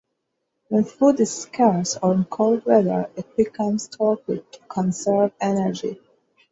When food is scarce, or in cold weather, it becomes torpid to conserve energy.